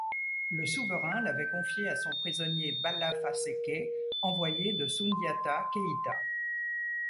Le souverain l'avait confié à son prisonnier Balla Fasséké, envoyé de Soundiata Keïta.